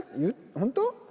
本当？